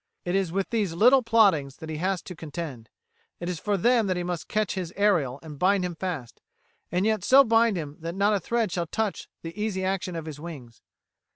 It is with these little plottings that he has to contend. It is for them that he must catch his Ariel and bind him fast, and yet so bind him that not a thread shall touch the easy action of his wings.